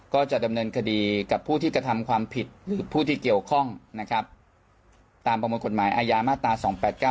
ก็จะดำเนินคดีกับผู้ที่กระทำความผิดหรือผู้ที่เกี่ยวข้องนะครับตามประมวลกฎหมายอาญามาตรา๒๘๙